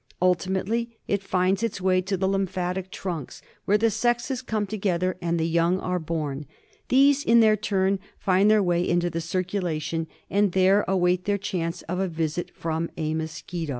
Ultimately it finds its way to the lymphatic trunks where FILARIASrS. , the sexes come together and the young are born. These ' in their turn find their way into the circulation, and there await their chance of a visit from the mosquito.